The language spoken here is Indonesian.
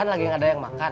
tidak ada yang makan